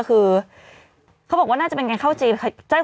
เขาบอกว่าน่าจะเป็นการเข้าใจ